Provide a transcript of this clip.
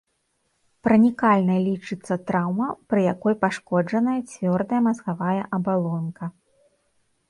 Пранікальнай лічыцца траўма, пры якой пашкоджаная цвёрдая мазгавая абалонка.